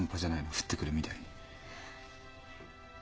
降ってくるみたいに。